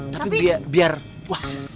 tapi biar biar wah